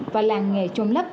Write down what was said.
và làng nghề chôm lấp